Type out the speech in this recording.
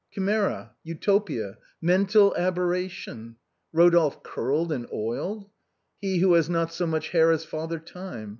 Chimera! Utopia ! mental aberration ! Eodolphe curled and oiled ; he who has not so much hair as Father Time.